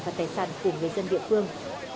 và tài sản của người dân địa phương